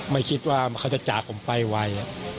ไม่คิดว่าเขาจะจากผมไปไว